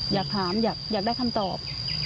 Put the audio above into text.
อยากถามอยากได้คำตอบ